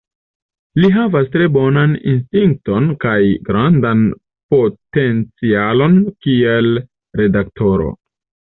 Li havas tre bonan instinkton kaj grandan potencialon kiel redaktoro.